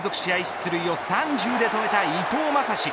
出塁を３０で止めた伊藤将司。